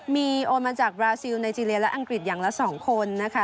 มีโอนมาจากบราซิลไนเจรียและอังกฤษอย่างละ๒คนนะคะ